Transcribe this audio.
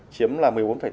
chiếm là một mươi bốn tám